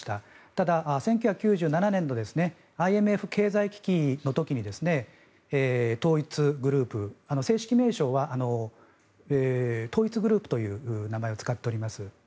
ただ、１９９７年のＩＭＦ経済危機の時に統一グループ、正式名称は統一グループという名前を使っております。